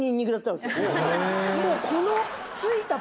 もうこの。